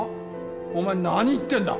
お前何言ってんだ？